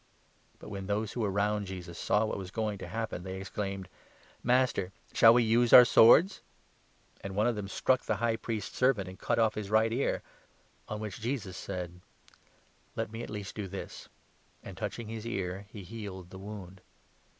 " But when those who were round Jesus saw what was going to 49 happen, they exclaimed :" Master, shall we use our swords ?" And one of them struck the High Priest's servant and cut off 50 his right ear ; on which Jesus said :" Let me at least do this "; 51 and, touching his ear, he healed the wound.